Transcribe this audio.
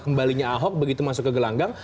kembalinya ahok begitu masuk ke gelanggang